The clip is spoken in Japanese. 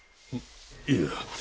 いや。